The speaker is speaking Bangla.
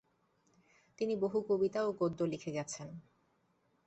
তিনি বহু কবিতা ও গদ্য লিখে গেছেন।